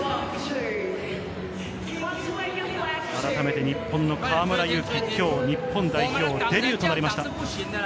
あらためて日本の河村勇輝、今日、日本代表デビューとなりました。